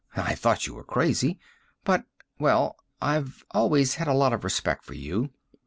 I thought you were crazy. But well, I've always had a lot of respect for you.